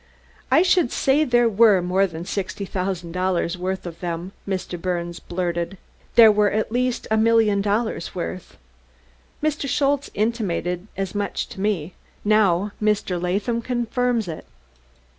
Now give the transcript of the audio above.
"I should say there were more than sixty thousand dollars' worth of them," Mr. Birnes blurted. "There were at least a million dollars' worth. Mr. Schultze intimated as much to me; now Mr. Latham confirms it."